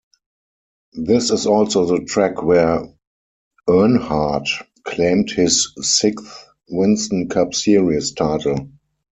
This is also the track where Earnhardt claimed his sixth Winston Cup Series title.